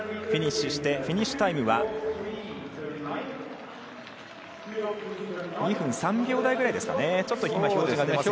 フィニッシュして、フィニッシュタイムは、２分３秒台ぐらいですかね。